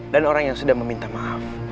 dan orang yang sudah meminta maaf